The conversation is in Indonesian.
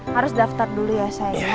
harus daftar dulu ya saya